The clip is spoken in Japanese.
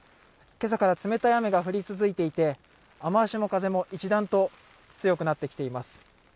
今朝から冷たい雨が降り続いていて雨足も風も一段と強くなってきています。